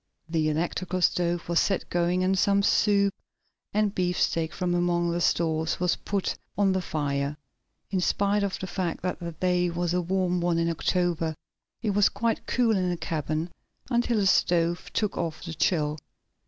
The electrical stove was set going, and some soup and beefsteak from among the stores, was put on the fire. In spite of the fact that the day was a warm one in October, it was quite cool in the cabin, until the stove took off the chill.